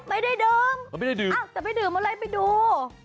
เม้าหรือเปล่าไม่ได้ดื่มแต่ไปดื่มอะไรไปดู